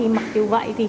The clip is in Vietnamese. mặt điều vậy